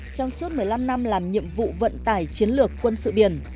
trong suốt một mươi năm năm làm nhiệm vụ vận tải chiến lược quân sự biển